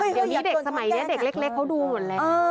เดี๋ยวนี้เด็กสมัยนี้เด็กเล็กเขาดูหมดแล้ว